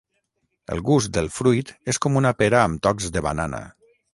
El gust del fruit és com una pera amb tocs de banana.